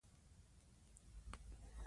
واوره د کرنې لپاره لویه ډالۍ ده.